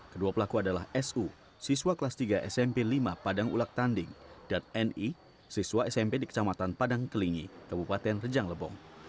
kedua pelaku adalah su siswa kelas tiga smp lima padang ulak tanding dan ni siswa smp di kecamatan padang kelingi kabupaten rejang lebong